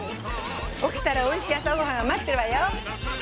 おきたらおいしい朝ごはんがまってるわよ。